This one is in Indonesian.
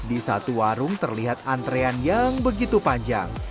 di satu warung terlihat antrean yang begitu panjang